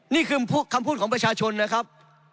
นี่คือคำพูดของประชาชนนะครับ